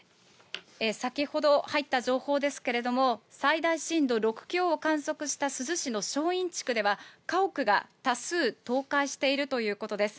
先ほど入った情報ですけれども、最大震度６強を観測した珠洲市の正院地区では、家屋が多数、倒壊しているということです。